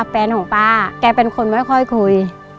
แฟนของป้าแกเป็นคนไม่ค่อยคุย